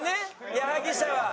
矢作舎は。